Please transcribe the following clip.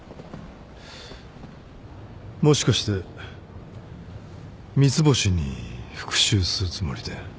もしかして三ツ星に復讐するつもりで。